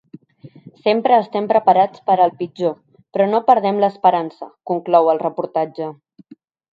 Sempre estem preparats per al pitjor, però no perdem l’esperança, conclou el reportatge.